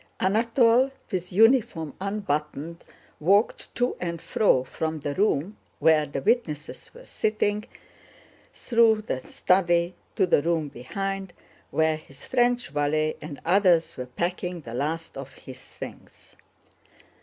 Anatole, with uniform unbuttoned, walked to and fro from the room where the witnesses were sitting, through the study to the room behind, where his French valet and others were packing the last of his things.